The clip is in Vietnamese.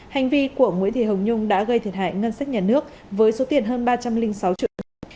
hành vi của nguyễn thị hồng nhung đã gây thiệt hại ngân sách nhà nước với số tiền hơn ba trăm linh sáu triệu đồng